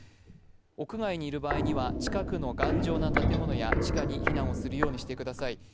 屋外にいる場合には近くの頑丈な建物や地下に避難するようにしてください。